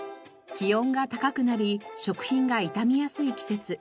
気温が高くなり食品が傷みやすい季節。